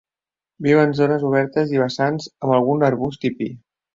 Viu en zones obertes i vessants amb algun arbust i pi.